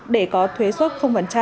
để có thuế xuất